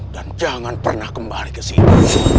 dan jangan pernah kembali ke sini